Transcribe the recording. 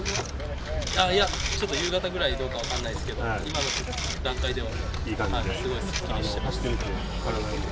夕方ぐらいどうか分からないけど今の段階では、すごいすっきりしています。